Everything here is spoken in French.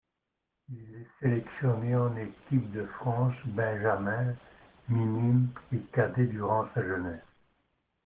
Il est sélectionné en équipe de France benjamins, minimes et cadet durant sa jeunesse.